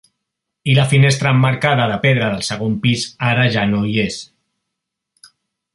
I la finestra emmarcada de pedra del segon pis ara ja no hi és.